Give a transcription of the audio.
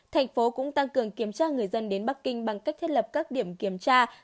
thành phố cũng tăng cường kiểm tra người dân đến bắc kinh bằng cách thiết lập các điểm kiểm tra